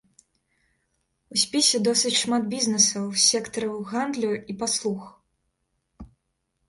У спісе досыць шмат бізнесаў з сектараў гандлю і паслуг.